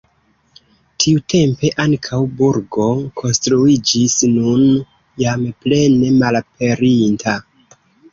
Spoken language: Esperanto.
Tiutempe ankaŭ burgo konstruiĝis, nun jam plene malaperinta.